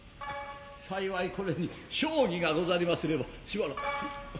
幸いこれに床几がござりますればしばらく。